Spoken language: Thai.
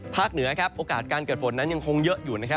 เหนือครับโอกาสการเกิดฝนนั้นยังคงเยอะอยู่นะครับ